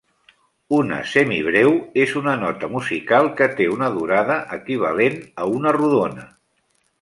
Una semibreu és una nota musical que té una durada equivalent a una rodona.